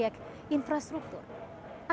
yang ketiga sebagai perusahaan